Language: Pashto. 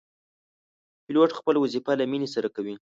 پیلوټ خپل وظیفه له مینې سره کوي.